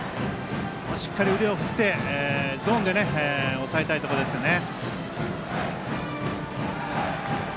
腕を振ってゾーンで抑えたいところですよね。